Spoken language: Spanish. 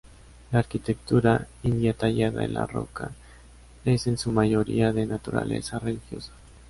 La arquitectura india tallada en la roca es en su mayoría de naturaleza religiosa.